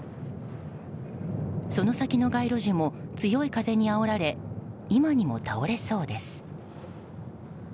その先の街路樹も強い風にあおられ今にも倒れそうです。